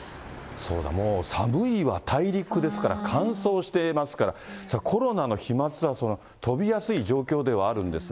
そうだ、もう、寒いわ、大陸ですから、乾燥していますから、コロナの飛まつは飛びやすい状況ではあるんですが。